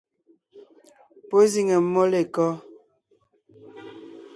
Pɔ́ zíŋe mmó lêkɔ́?